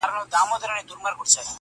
ورور له کلي لرې تللی دی,